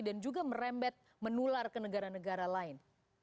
dan juga merembet menular ke negara negara lain